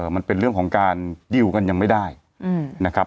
มันเป็นเรื่องของการดิวกันยังไม่ได้นะครับ